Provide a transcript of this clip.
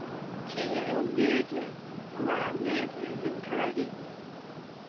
Ty a yll neuvya. Gwra neuvya dhe'n karregi.